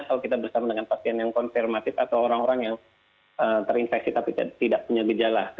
kalau kita bersama dengan pasien yang konfirmatif atau orang orang yang terinfeksi tapi tidak punya gejala